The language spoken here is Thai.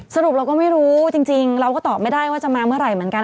สรุปเราก็ไม่รู้จริงเราก็ตอบไม่ได้ว่าจะมาเมื่อไหร่เหมือนกัน